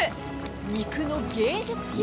肉の芸術品。